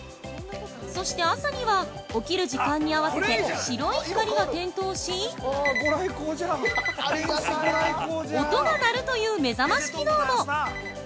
そして、朝には起きる時間に合わせて白い光が点灯し音が鳴るという目覚まし機能も。